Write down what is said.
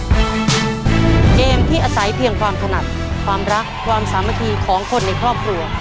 เกมที่อาศัยเพียงความถนัดความรักความสามัคคีของคนในครอบครัว